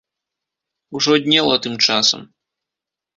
Ужо днела тым часам.